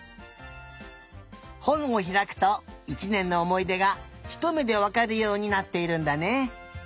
ほんをひらくと１ねんのおもいでがひとめでわかるようになっているんだね。